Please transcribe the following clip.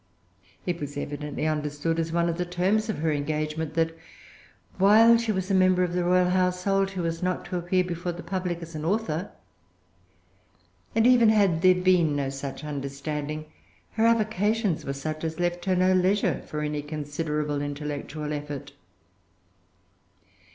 It was evidently understood as one of the terms of her engagement that, while she was a member of the royal household, she was not to appear before the public as an author; and even had there been no such understanding, her avocations were such as left her no leisure for any considerable intellectual effort.